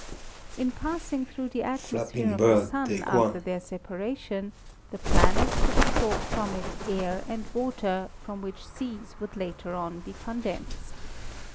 In passing through the atmos phere of the Sun after their separation the planets would absorb from it air and water from which seas would later on be condensed.